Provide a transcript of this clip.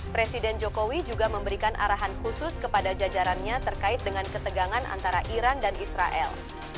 presiden jokowi juga memberikan arahan khusus kepada jajarannya terkait dengan ketegangan antara iran dan israel